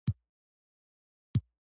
هغه د موزون بام پر مهال د مینې خبرې وکړې.